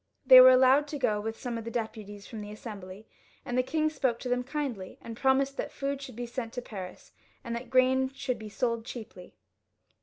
They were allowed to go with some of the deputies from the Assembly, and the king spoke to them kindly, and promised that food should be sent to Paris, and that grain should be sold cheaply.